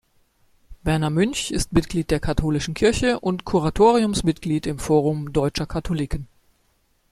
Werner Münch ist Mitglied der katholischen Kirche und Kuratoriumsmitglied im Forum Deutscher Katholiken.